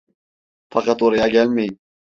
Fakat oraya gelmeyin…